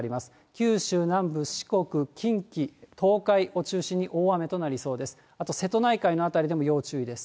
九州南部、四国、近畿、東海を中心に大雨となりそうです。